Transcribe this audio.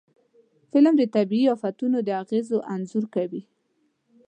فلم د طبعي آفتونو د اغېزو انځور کوي